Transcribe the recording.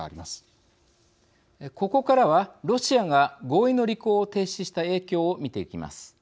ここからはロシアが合意の履行を停止した影響を見ていきます。